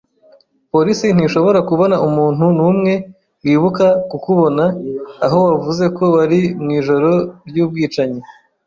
Polisi ntishobora kubona umuntu numwe wibuka kukubona aho wavuze ko wari mwijoro ryubwicanyi